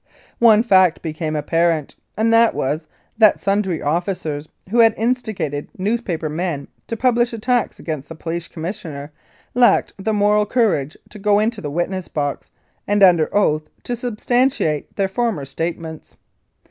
One fact became apparent, and that was that sundry officers who had instigated newspaper men to publish attacks against the Police Commissioner lacked the moral courage to go into the witness box and under oath to substantiate their former statements.